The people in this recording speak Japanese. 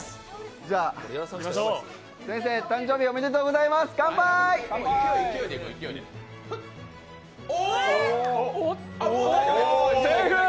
じゃ、先生、誕生日、おめでとうございます、かんぱーい！